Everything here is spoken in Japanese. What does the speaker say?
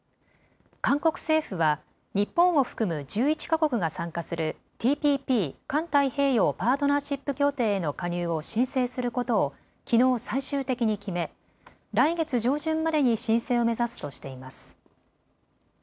韓国政府は日本を含む１１か国が参加するＴＰＰ・環太平洋パートナーシップ協定への加入を申請することをきのう最終的に決め来月上旬までに申請を目指すとしています。